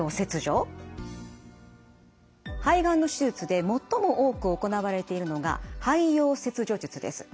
肺がんの手術で最も多く行われているのが肺葉切除術です。